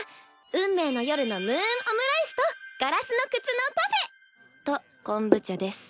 運命の夜のムーンオムライスとガラスの靴のパフェ！と昆布茶です。